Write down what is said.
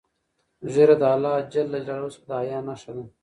ږیره د الله جل جلاله څخه د حیا نښه ده.